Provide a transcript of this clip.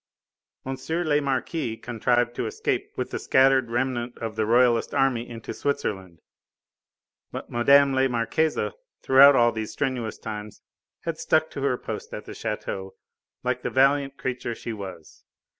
M. le Marquis contrived to escape with the scattered remnant of the Royalist army into Switzerland. But Mme la Marquise throughout all these strenuous times had stuck to her post at the chateau like the valiant creature that she was.